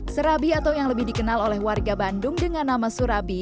surabi atau yang lebih dikenal oleh warga bandung dengan nama surabi